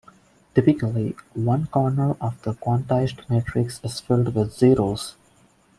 Typically, one corner of the quantized matrix is filled with zeros.